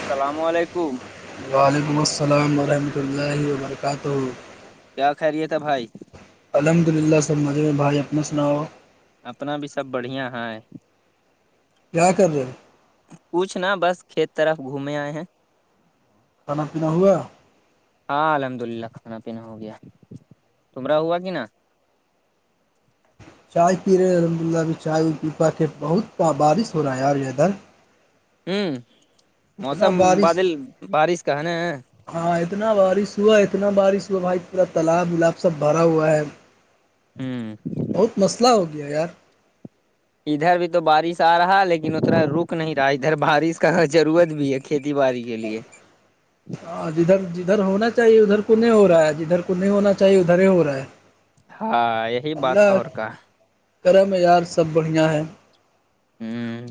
السلام علیکم وعلیکم السلام ورحمۃ اللہ وبرکاتہ کیا کہ رہیے تھا بھائی الحمد للہ سب مجھے میں بھائی اپنا سناؤ اپنا بھی سب بڑھیا ہے کیا کر رہے ہیں کچھنا بس کھیت طرف گھومے آئے ہیں کھانا پینا ہوا ہاں الحمد للہ کھانا پینا ہو گیا تمرا ہوا کہ نا چائے پی رہے ہیں الحمد للہ ابھی چائے وہ پی پا کے بہت بارش ہو رہا ہے یار ادھر ہوں اتنا موسم بارش بادل بارش کا ہے نا ہاں اتنا بارش ہوا اتنا بارش ہوا بھائی پورا تالاب ولاب سب بھرا ہوا ہے ہوں بہت مسلا ہو گیا یار ادھر بھی تو بارش آ رہا لیکن اتنا رک نہیں رہا ہے ادھر بارش کا ضرورت بھی ہے کھیتی باڑی کے لیے ہا جدھر جدھر ہونا چاہیے ادھر کونہیں ہو رہا ہے جدھر کونہیں ہونا چاہیے ادھر ہی ہو رہا ہے ہاں یہی بات ہے اور اللہ کا کرم ہے یار سب بڑھیا ہے ہوں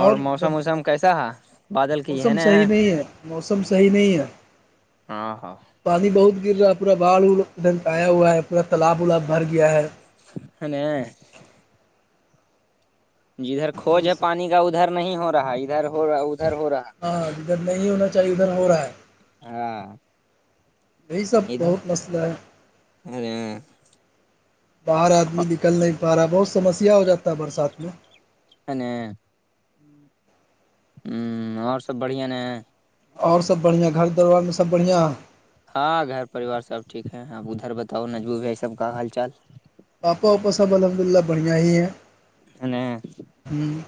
اور موسم وسم کیسا ہے بادل کی ہے موسم نا صحیح نہیں ہے موسم صحیح نہیں ہے ہاں ہاں پانی بہت گر رہا ہے پورا باڑ وڑ ڈھنک آایا ہوا ہے پورا تالاب الاب بھر گیا ہے ہ نا [unintelligible] جدھر کھوج ہے پانی کا ادھر نہیں ہو رہا ہے ادھر ہو رہا ادھر ہو رہا ہے ہاں جدھر نہیں ہونا چاہیے ادھر ہو رہا ہے ہاں یہی سب ادھر بہت مسئلہ ہے ارے باہر آدمی نکل نہیں پا رہا ہے بہت سمسیا ہو جاتا ہے برسات میں ہ نے [unintelligible] ہوں اور سب بڑھیا نے اور سب بڑھیا گھر دربار میں سب بڑھیاں ہاں گھر پریوار سب ٹھیک ہے آپ ادھر بتاؤ نجبو بھائی سب کا حال چال پاپا واپا سب الحمد للہ بڑھیا ہی ہیں ہوں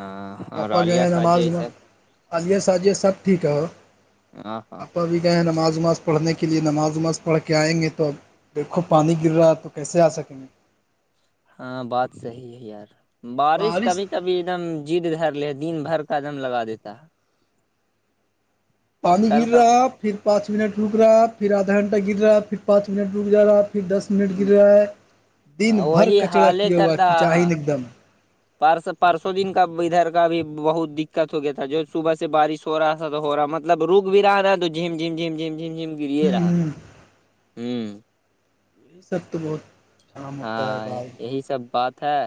آ [unintelligible] پاپا گئے ہیں نماز گھ عالیہ سجیہ سب ٹھیک ہے ہاں ہاں پاپا بھی گئے ہیں نماز وماز پڑھنے کے لیے نماز وماز پڑھ کے آئیں گے توب دیکھو پانی گر رہا ہے تو کیسے آ سکیں گے ہاں بات صحی ہے یار بارش کبھی کبھی ایک دم جد دھر لے ہے دن بھر کا دم لگا دیتا ہے پانی کل کا گرا پھر پانچ منٹ رک رہا پھر آدا گنٹ گر رہا پھر پانچ منٹ رک جا رہا پھر دس منٹ گرا ہے دن بھر وہی کچڑا کیا ہوا کی چاہن ایک دم پارسو پرارسوں دن کا ادھر کا بھی بہت دقت ہو گیا تھا جو صبح سے بارش ہو رہا تو ہو رہا مطلب روک بھی رہا تو جھم جھم جھم جھم جم جم ہ گریے رہا ہ ہوں یہ سب تو بہت اچام ہوتا ہے ہاں بھائی یہی سب بات ہے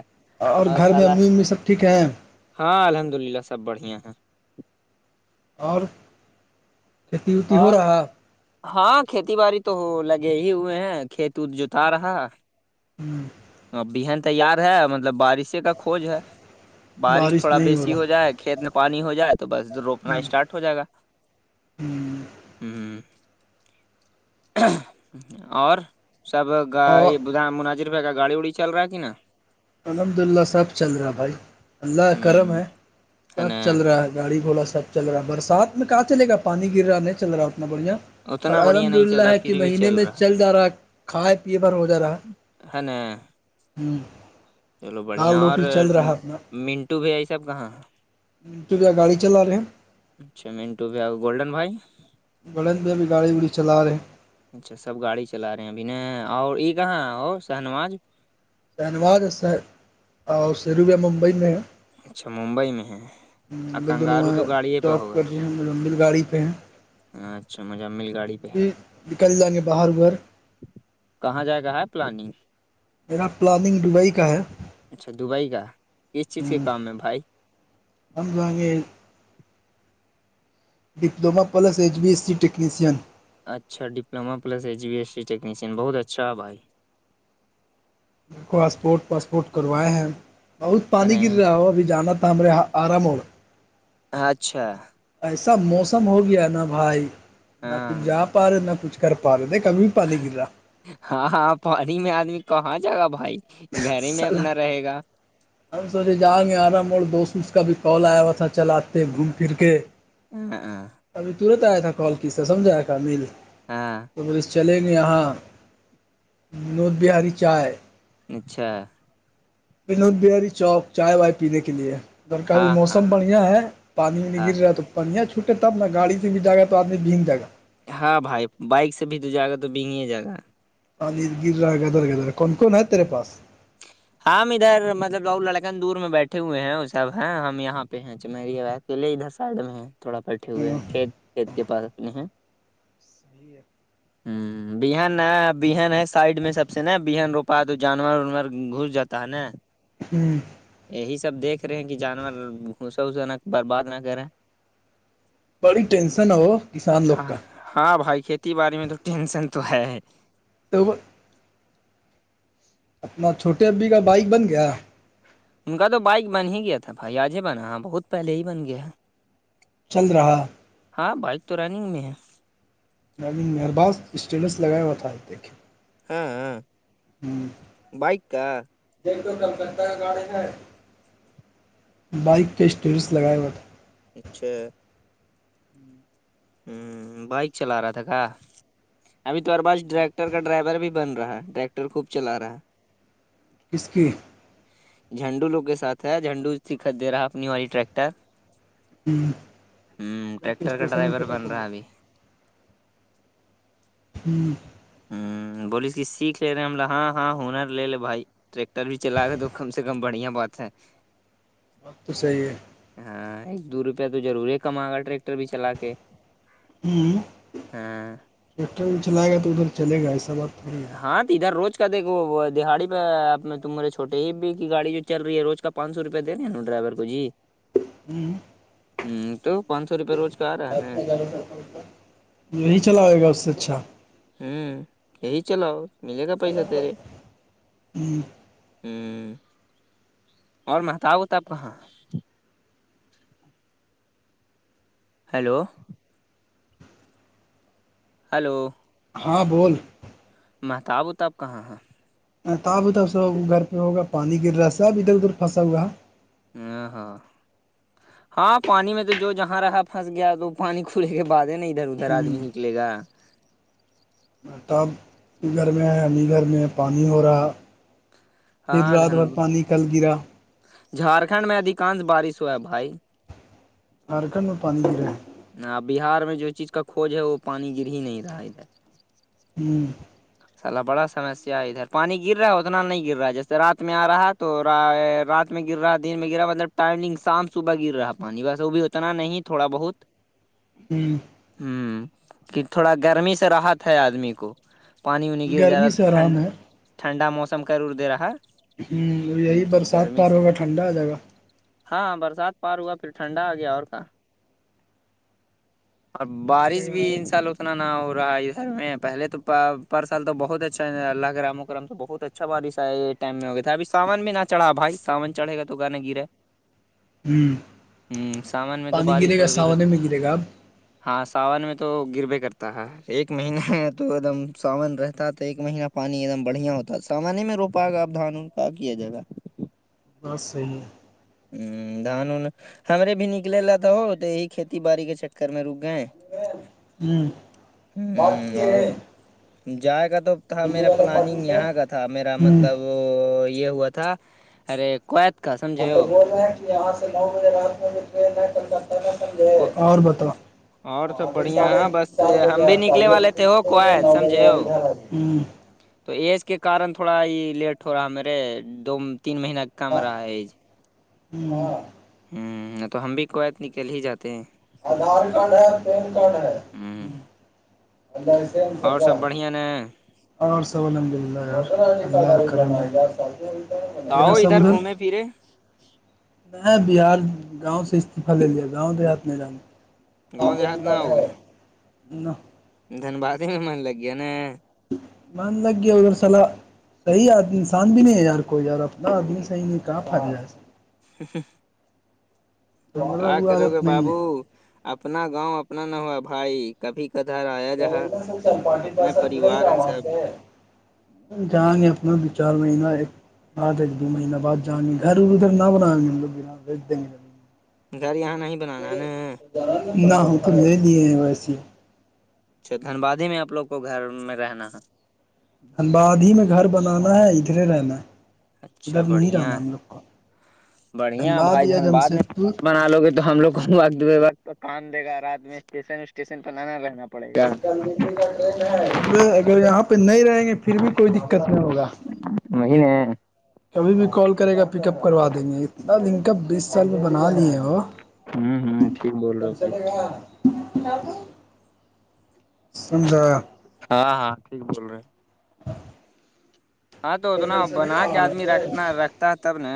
اور گھر میں امی امی سب ٹھیک ہیں ہاں الحم دو للہ سب بڑھیا ہیں اور کھیتی وتی ہو اور رہا ہاں کھیتی باڑی تو لگے ہی ہوئے ہیں کھیت وت جوتا رہا ہوں ا بیہن تیار ہے مطلب بارش کا کھوج ہے بارش تھوڑا بیسی ہو جائے کھیت میں پانی ہو جائے تو بس ا روپنا ہ اسٹارٹ ہو جائے گا ہ ہ ہ اور سب گ اور ب مناظر ہے کا گاڑی وڑی چل رہا ہے کہ نا الحمد للہ صب چل رہا بھائی اللہ کا کرم ہوں ہے ہے سب نا چل رہا ہے گاڑی گھوڑا سب چل رہا ہے برسات میں کہاں چلے گا پانی گر رہا نہیں چل رہا اتنا بڑھیا پر اتنا بڑھیا الحمد نہیں چل للہ رہا کہ پھر بھی مہینے میں چل جا رہا کھائے پیے بھر ہو جا رہا ہے نا ہوں چلو بڑھیا اور اپنا منٹو بھی یہ سب کہاں تویا گاڑی چلا رہے ہیں اچھا مٹو بھی گولڈن بھائی گڑن میں ابھی گاڑی ووڑی چلا رہے ہیں اچھا سب گاڑی چلا رہے ہیں ابھی ن اور یہ کہاں ہو شہ نواز سنواد ہے سیروبیہ ممبئی میں ہے ہ اچھا ممبئی میں ہے اور ب دونوں کنگارو وہاں تو گاڑی پہ ڈاپ کر رہے ہیںبل گاڑی پہ ہیں ہاںچھا مجھے مل گاڑی پہ ہے بھی نکل جائیں گے باہر اھر کہاں جائے گا ہے پلاننگ میرا پلاننگ دبئی کا ہے اچھا دبئی کا کس چیز کے کام ہے بھائی سمجھوا گ diploma plus H B S C technician اچھا diploma plus E B S س ٹیکنیشن بہت اچھا بھائی پاسپورٹ واسپورٹ کروائے ہیں بہت ہے پانی گر رہا نا ہو ابھی جانا اسام رہیاا آرامڑ اچھا ایسا موسم ہو گیا نا بھائی نہ کچھ ہاں جا پا رہے نہ کچھ کر پا رہے دیک کبھی پانی گرا ہاں ہاں پانی میں آدمی کہاں جائے گا بھائی گھر میں اپنا رہے گا ہم ہم سوچے جائیں گے آرام اور دوست اس کا بھی کال آیا ہوا تھا چلاتتے گھوم پھر کے ا [unintelligible] ابھی ترت آیا تھا کال کس سے سمجھایا تھا میل ہاں تو بس چلیں گے یہاں نوت بہاری چائے اچھا بنودبیری چوک چائے وائے پینے کے لیے اھر کابھی ہاں ہاں موسم بڑھیا ہے پانی میں ہاں گر رہا ہے تو بڑھیا چھوٹے تب نا گاڑی بھی ج گا تو آدمی بھینگ ج گا ہاں بھائی بائک سے بھی تو جائے گا تو بگ ہی جائے گا گرا گدر گدر کون کون ہے تیرے پاس ہم ادھر مطلب ل لڑکن دور میں بیٹھے ہوئے ہیں وہ سب ہیں ہم یہاں پہ ہیں چمری کیلے ادھر سائڈ میں ہے تھوڑا بیٹھے ہوئے ہیں ہوں کھیت کھیت کے پاس اپنے ہیں جی ہے [inaudible] ہاں بہن بہن ہے سائڈ میں سب سے نا بہن روپا تو جانور وانور گھس جاتا ہے نا [inaudible] ہوں یہی سب دیکھ رہے ہیں کہ جانور گھسا وسا نہ برباد نہ کرے بڑی ٹینسن ہے وہ کسان لوگ ہاں کا ہاں بھائی کھیتی باڑی میں تو ٹینشن تو ہے تو وہ اپنا چھوٹے ابی کا بائک بن گیا ان کا تو بائک بن ہی گیا تھا فھائییاج ہی بنا بہت پہلے ہی بن گیا ہے چل رہا ہاں بائک تو رنگ میں ہے میں نےگ مہرباز اسٹیٹس لگایا ہوا تھا دیکھے ہاں بائک کا دیک تو کلکتہ کا گاڑی ہے بائک کے اسٹیرس لگائے ہوئے تھ اچھا ہ بائک چلا رہا تھا کا ابھی توہارے پاس ڈریکٹر کا ڈرائیور بھی بن رہا ٹریکٹر خوب چلا رہا اس کی جھنڈوگ کے سھ ہے جھنڈو ہی خد دے رہا ہے اپنی والی ٹریکٹر ہ جا کے ٹیکٹر کا اسٹیشن میں ڈرائیبر پتہ چل ہوں ہ بولیس کہ سیکھ لے رہے ہیں ہم لگ ہاں ہاں ہنر لے لے بھائی ٹریکٹر بھی چلا گ تو کم سے کم بڑھیا بات ہے بقت تو چاہیے ہاں ایک دو روپیہ تو ضرور ہے کما گا ٹریکٹر بھی چلا کے ہاں ہ ٹرین چلائے گا تو ادھر چلے گا ایسا بات تھوڑی ہے ہاں تو ادھر روز دیکھ وہ دہڑی پہپ تم مارے چھوے ہی بھی کی گای جو چ رہ ہے رو کا پانچ سو روپے دنے ہیں ن ڈرائیور کو بو جی ہوں ہ تو پانچ سو روپے روز کا آ رہا ہے نا یہی چلا ہوئے گا اس سے اچھا ہوں یہی چلاؤ ملے گا پیسہ اچھا تیرے ہوں اور میںتاؤتا آپ کہاں ہیلو ہلو ہاں بول میںتا آب توب کہاں ہیں ت اب اد اب س گھر پہ ہوگا پانی گرا ہے اب ادھر ادھر پھنسا ہوا ہے ا ہاں ہاں پانی میں تو جو جہاں رہا پھنس گیا تو پانی کھلے کے بع ہے نا ادھر ادھر آدمی ہے نکلے گا تب گھر میں ہے عمی گھر میں پانی ہو رہا پھر ہاں رات دھن بھر پانی کل گرا جھارکھنڈ میں ادھیکانش بارش ہوا ہے بھائی ہر کر میں پن بھی رہے ہیں بہار میں جو چیز کا کھج ہے وہ پانی گر ہی نہیں رہا ادھر ہوں سلا بڑا سمسیا ہے ادھر پانی گر رہا ہے اتنا نہیں گر رہا جیسے رات میں آ رہا تو رات میں گر رہا دن میں گرا مطلب ٹائمنگ شام صبح گر رہا پانی ویسے وہ بھی اتنا نہیں تھوڑا بہت [inaudible] ہوں ہوں کہ تھوڑا گرمی سے رات ہے آدمی کو پانی وانی گر جا رہا گرمی سے ٹنڈ آرام ہے ہ ٹھنڈا موسم کر دے رہا ہوں یہی ہ تو برسات گرمی پار سے ہوگا ٹھنڈا آ جائے گا ہاں برسات پار ہوا پھرٹھنڈ آ گیا اور کہاں اور ٹھنڈا آ بارش جائے بھی گا ان سال اتنا نہ ہو رہا ہے ادھر میں پہلے تو پار سال تو بہت اچھا ہے اللہ کے رام و کرام تو بہت اچھا بارش ہے یہ ٹم میں ہو گیا تھا اب سامان بھی چڑھا بھائی سان چڑھے گا تو گانا گرا ہ ہوں سامان میں تو پانی گرے بارش ہو گا ب ساونے میں گرے گا اب ہاں ساون میں تو گروے کرتا ہے ایک مہینہ ہے تو ایک دم ساون رہتا تو ایک مہینہ پانی ایک دم بڑھیا ہوتا ساامان میں روپائے گاپ دھان ان کا کیا جائے گا بس صحیح ہے ہ دان ان ہمارے بھی نکللاا تھا ہو تو یہی کھیتی باڑی کے چ کر میں رک گئے ہے ہ ہ بات کی اور ہے جائے کا تو تھا دلی میرا والے پارٹی پلاننگ سے یہاں کا تھا میرا ہ مطلب تو یہ ہوا تھا ارے کو ا تو بول رہے ہیں کہ یہاں سے نو بجے رات میں بھی ٹرین ہے کلک کا سمجھے اور اور بتاؤ سب ابھی بڑھیا سڑے ہاں ت بس چار بجے ہم آ بھی نکلے والے تھے ہو ابھی کویت نو سمجھے بجے ا ہو د بجے تو ایج کے کارن تھوڑا یہ لیٹ ہو رہا میرے دو تین مہین کم رہا ہے ایج ہ [unintelligible] ہوں تو ہم بھی کویت نکل ہی جاتے ہیں آدھار کارڈ ہے پین کارڈ ہے ہ ال سم سر اور کاا سب بڑھیا نا اور سحمدلہ ہاں ی تو آؤ ادھر گھومے پھرے نہیں بہار گاؤں سے استعفہ لے لیا گاؤں دیہات میں جان گاؤں دیہات ہاں [unintelligible] دن بعاد ہی م من لگیا نا نندگگی اور سلا [unintelligible] [inaudible] تو مطلب کیا وہ کرو عادت گے نہیں ہے بابو اپنا گاؤں اپنا نواب بھائی کبھی کدھر آیا جہاں اپنے پریوار ہیں سب [unintelligible] جانیں گے اپنا دو چار مہینہ ایک [unintelligible] گھر یہاں نہ بنانا ہے نا [unintelligible] کچھ دن بعد ہی میں آپ لوگوں کو گھر میں رہنا ہے دھنباد ہی میں گھر بنانا ہے ادھرے رہنا ہے اچھا ادھر نہیں بڑھیا رہنا ہم ہے، لوگ کو بڑھیا دھنباد بھائی یا جان بعد میں جمشید پور بنا لو گے تو ہم لوگ وقت بے وقت تو کام دے گا رات میں اسٹیشن اسٹیشن پنانا رہنا پڑے گا اگر یہاں پہ نہیں رہیں گے پھر بھی کوئی دقت نہیں ہوگا [unintelligible] کبھی بھی کال کرے گا پک اپ کروا دیں گے اتنا لنک اب بیس سال میں بنا لیے وہ ہوں ہوں ٹھیک بول رہے ہو بھائی [unintelligible] سن رہے ہیں ہاں ہاں ٹھیک بول رہے ہیں [inaudible] ہاں تو اتنا کل چلے بنا کے گا آدمی رکھنا رکھتا ہے تب نا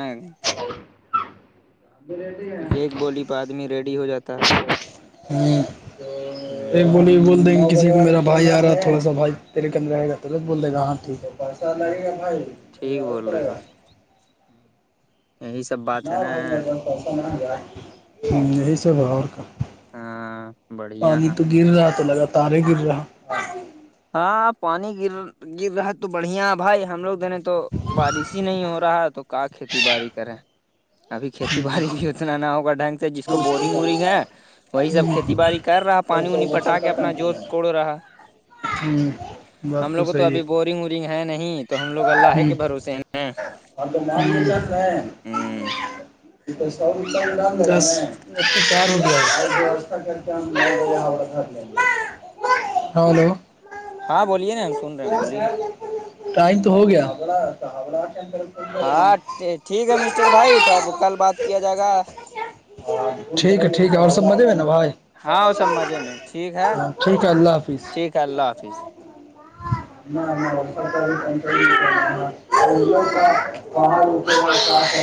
کہ ایک بولی بعد میں ریڈی ہو جاتی ہاں ایک بولی بول دیں گے کسی کو میرا بھائی آ رہا تھا تھڑا سا بھائی تیرے اندرے گا تو بول دے گا ہاں ٹھیک ہے پیسہ ہ لگے گا بھائی ٹھیک ہزار بول رو رہے لے ہو گا [unintelligible] نا [unintelligible] ہاں بڑھیا پانی ہاں تو گر رہا تو لگاتار ہی گر رہا ہاں پانی گر گر رہا ہے تو بڑھیا بھائی ہم لوگ نے تو بارش ہی نہیں ہو رہا ہے تو کا کھیتی باڑی کریں ابھی کھیتی باڑی بھی اتنا نہ ہوگا ڈھنگ سے جس کو بورنگ وورنگ ہے وہی سب کھیتی باڑی کر رہا پانی وانی ہوں پٹا کے اپنا جوت کوڑ رہا [unintelligible] ہم بات لوگ کو تو صحیح ابھی ہے بورنگ وورنگ ہے نہیں تو ہم لوگ اللہ کے بھروسے ہیں [unintelligible] [unintelligible] ہلو ہاں بولیے نا سن رہے ہیں بولیے نا ٹائم تو ہو گیا ہمرا ہاں ٹھیک ہے مسٹر بھائی تو اب کل بات کیا جائے گا ٹھیک ہے ٹھیک ہے اور سب مزے میں نا بھائی ہاں وہ سب مزے میں ٹھیک ہے ٹھیک ہے اللہ ٹھیک ہے اللہ حافظ [unintelligible]